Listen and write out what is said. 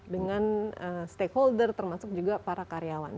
dengan stakeholder termasuk juga para karyawan